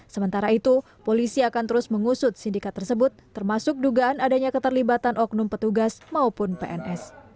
sementara itu polisi akan terus mengusut sindikat tersebut termasuk dugaan adanya keterlibatan oknum petugas maupun pns